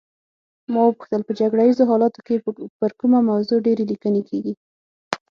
ما وپوښتل په جګړه ایزو حالاتو کې پر کومه موضوع ډېرې لیکنې کیږي.